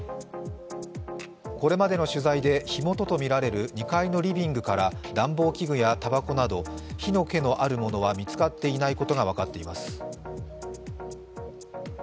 これまでの取材で火元とみられる２階のリビングから暖房器具やたばこなど火の気のあるものは見つかっていないことが分かっています。